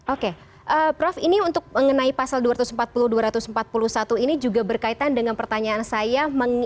oke prof ini untuk mengenai pasal dua ratus empat puluh dua ratus empat puluh satu ini juga berkaitan dengan pertanyaan saya